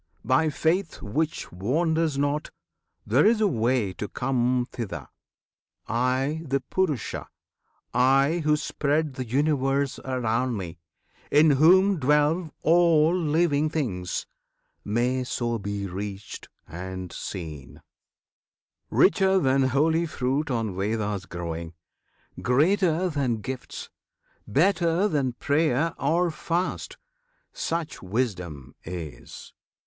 by faith Which wanders not, there is a way to come Thither. I, the PURUSHA, I Who spread The Universe around me in Whom dwell All living Things may so be reached and seen! .............. [FN#14] Richer than holy fruit on Vedas growing, Greater than gifts, better than prayer or fast, Such wisdom is!